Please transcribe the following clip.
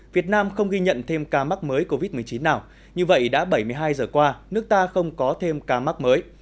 việt nam không ghi nhận thêm ca mắc mới covid một mươi chín nào như vậy đã bảy mươi hai giờ qua nước ta không có thêm ca mắc mới